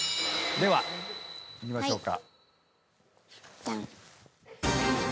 ではいきましょうか。